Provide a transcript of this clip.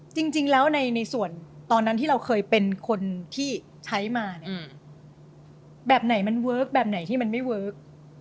จริงแล้วในส่วนตอนนั้นที่เราเคยเป็นคนที่ใช้มาเนี่ยแบบไหนมันเวิร์คแบบไหนที่มันไม่เวิร์ค